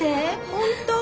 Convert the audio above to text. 本当！